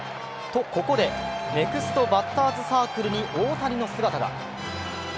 と、ここでネクストバッターズサークルに大谷の姿が。